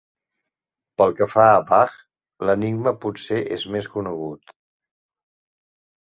Pel que fa a Bach, l'enigma potser és més conegut.